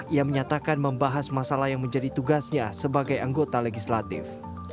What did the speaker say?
ia menyatakan membahas masalah yang menjadi tugasnya sebagai anggota legislatif